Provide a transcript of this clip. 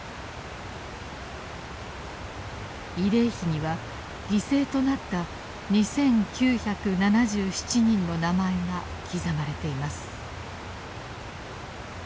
慰霊碑には犠牲となった２，９７７人の名前が刻まれています。